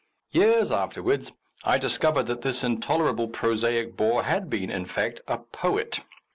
Years afterwards I discovered that this intolerable prosaic bore had been, in fact, a poet.